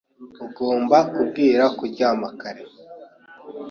Ugomba kubwira kuryama kare.